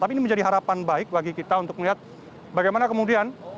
tapi ini menjadi harapan baik bagi kita untuk melihat bagaimana kemudian